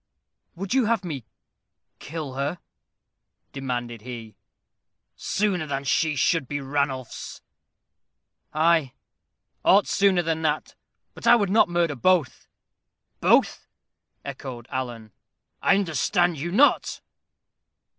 "Would you have me kill her?" demanded he. "Sooner than she should be Ranulph's." "Ay, aught sooner than that. But I would not murder both." "Both!" echoed Alan. "I understand you not."